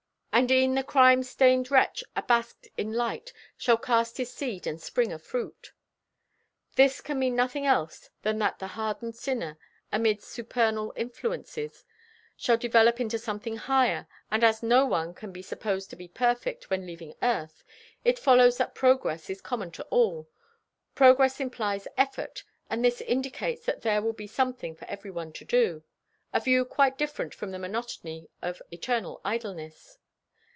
And e'en the crime stained wretch, abasked in light, Shall cast his seed and spring afruit. This can mean nothing else than that the hardened sinner, amid supernal influences, shall develop into something higher, and as no one can be supposed to be perfect when leaving earth, it follows that progress is common to all. Progress implies effort, and this indicates that there will be something for everyone to do—a view quite different from the monotony of eternal idleness.